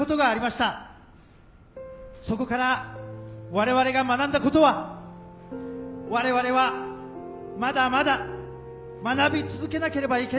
そこから我々が学んだことは我々はまだまだ学び続けなければいけないということです。